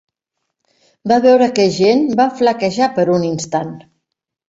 Va veure que Jeanne va flaquejar per un instant.